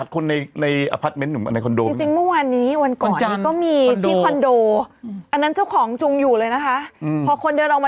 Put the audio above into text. อันนี้เหมือนให้ครบเด็ก๑๗มันชื่อสดใสอ่ะ